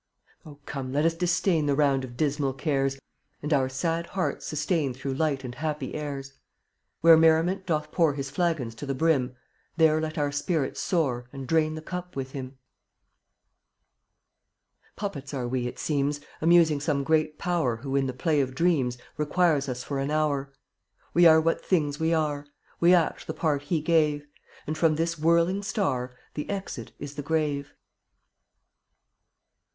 So Oh, come, let us disdain The round of dismal cares, And our sad hearts sustain Through light and happy airs. Where Merriment doth pour His flagons to the brim — There let our spirits soar And drain the cup with him. d ArSy* AY Puppets are we, it seems, Amusing some great Power C/ Who in the play of Dreams Requires us for an hour. We are what things we are; We act the part He gave, And from this whirling star The exit is the grave.